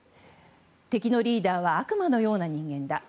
敵のリーダーは悪魔のような人間だ。